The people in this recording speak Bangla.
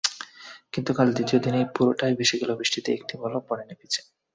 কিন্তু কাল দ্বিতীয় দিনের পুরোটাই ভেসে গেল বৃষ্টিতে, একটি বলও পড়েনি পিচে।